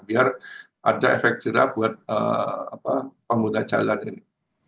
biar ada efek jerah buat pengguna jalan ini